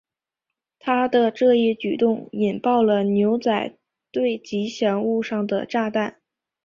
他的这一举动引爆了牛仔队吉祥物上的炸弹。